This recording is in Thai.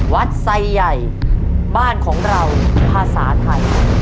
ไซใหญ่บ้านของเราภาษาไทย